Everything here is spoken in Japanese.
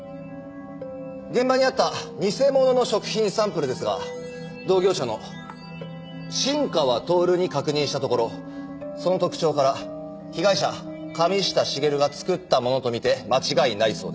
現場にあった偽物の食品サンプルですが同業者の新川徹に確認したところその特徴から被害者神下茂が作ったものとみて間違いないそうです。